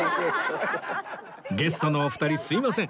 ゲストのお二人すいません